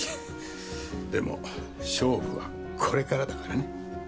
でも勝負はこれからだからね。